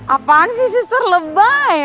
apaan sih sister lebay